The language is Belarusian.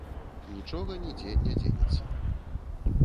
Нічога, нідзе не дзенецца.